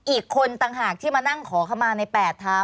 อีกคนต่างหากที่มานั่งขอขมาใน๘ทาง